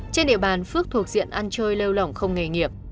trên địa bàn phước thuộc diện ăn chơi lêu lỏng không nghề nghiệp